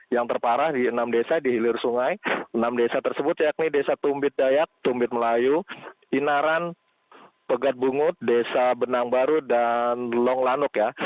yang terparah di enam desa di hilir sungai enam desa tersebut yakni desa tumbit dayak tumbit melayu inaran pegat bungut desa benang baru dan long lanuk ya